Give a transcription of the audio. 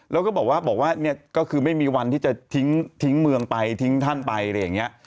แล้วก็บอกว่าเนี่ยก็คือไม่มีวันที่จะทิ้งเมืองไปทิ้งท่านไปอะไรอย่างนี้